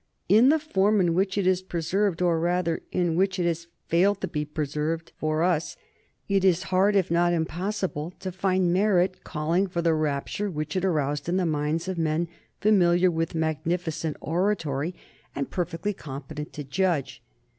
In the form in which it is preserved, or rather in which it has failed to be preserved for us, it is hard, if not impossible, to find merit calling for the rapture which it aroused in the minds of men familiar with magnificent oratory, and perfectly competent to judge.